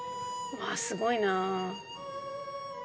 わあすごいな。